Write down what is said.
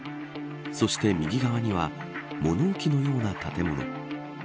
そして右側には物置のような建物。